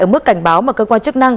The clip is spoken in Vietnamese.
ở mức cảnh báo mà cơ quan chức năng